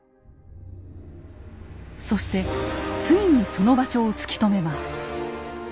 そしてついにその場所を突き止めます。